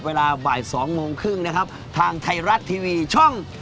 เวลาบ่าย๒โมงครึ่งนะครับทางไทยรัฐทีวีช่อง๓